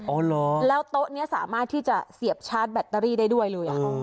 แล้วโต๊ะนี้สามารถที่จะเสียบชาร์จแบตเตอรี่ได้ด้วยเลย